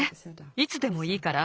いつでもいいから。